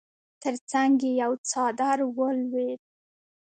تر څنګ يې يو څادر ولوېد.